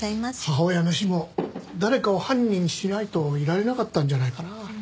母親の死も誰かを犯人にしないといられなかったんじゃないかな。